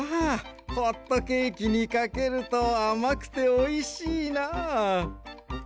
ホットケーキにかけるとあまくておいしいなあ。